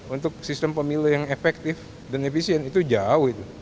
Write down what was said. untuk sistem pemilu yang efektif dan efisien itu jauh itu